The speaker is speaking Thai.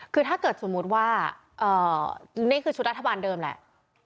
คือถ้าเกิดสมมุติว่านี่คือชุดรัฐบาลเดิมแหละ